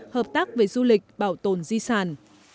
hợp tác về du lịch bảo tồn di sản